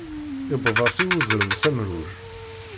Iwweḍ-as i uzrem s amruj.